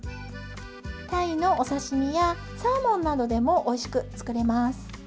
鯛のお刺身やサーモンなどでもおいしく作れます。